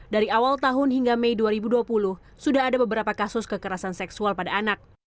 dari awal tahun hingga mei dua ribu dua puluh sudah ada beberapa kasus kekerasan seksual pada anak